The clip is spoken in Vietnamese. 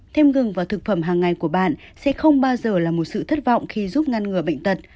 thêm ngừng vào thực phẩm hàng ngày của bạn sẽ không bao giờ là một sự thất vọng khi giúp ngăn ngừa bệnh tật